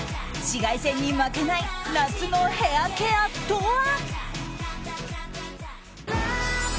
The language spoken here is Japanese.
紫外線に負けない夏のヘアケアとは？